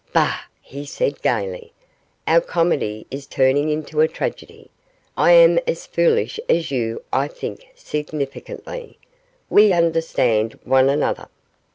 'Bah!' he said, gaily, 'our comedy is turning into a tragedy; I am as foolish as you; I think,' significantly, 'we understand one another.